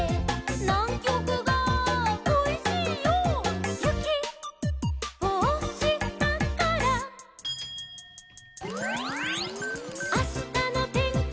「『ナンキョクがこいしいよ』」「ゆきをおしたから」「あしたのてんきは」